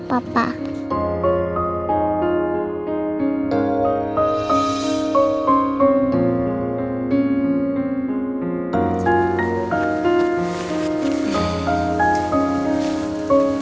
aku mau ke sana